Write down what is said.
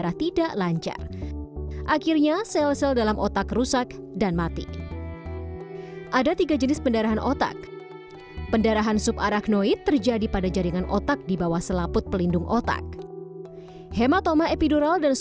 apakah kita punya diabetes apakah kita punya hipertensi